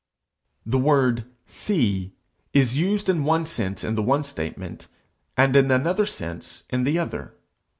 The word see is used in one sense in the one statement, and in another sense in the other.